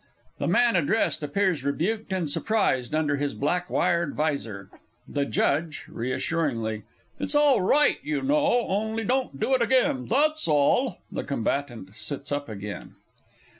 (The man addressed appears rebuked and surprised under his black wired visor.) THE JUDGE (reassuringly). It's all right, you know; only, don't do it again, that's all! (_The Combatant sits up again.